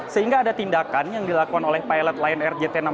sehingga ada tindakan yang dilakukan oleh pilot lion air jt enam ratus sepuluh